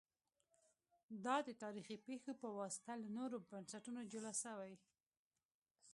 دا د تاریخي پېښو په واسطه له نورو بنسټونو جلا سوي